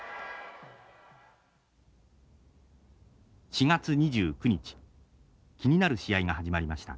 ４月２９日気になる試合が始まりました。